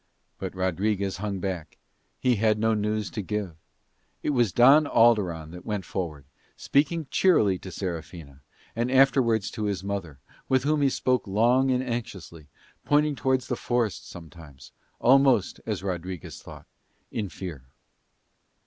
But Rodriguez hung back; he had no news to give. It was Don Alderon that went forward, speaking cheerily to Serafina, and afterwards to his mother, with whom he spoke long and anxiously, pointing toward the forest sometimes, almost, as Rodriguez thought, in fear.